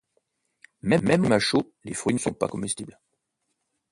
Même en climat chaud, les fruits ne sont pas comestibles.